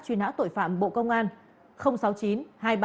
truy nã tội phạm bộ công an